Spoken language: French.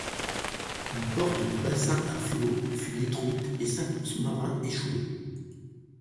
Une porte du bassin à flot fut détruite et cinq sous-marins échoués.